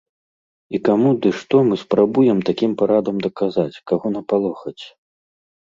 І каму ды што мы спрабуем такім парадам даказаць, каго напалохаць?